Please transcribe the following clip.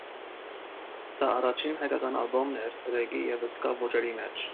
Դա առաջին հայկական ալբոմն էր ռեգգի և սկա ոճերի մեջ։